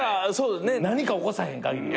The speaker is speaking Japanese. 何か起こさへんかぎりは。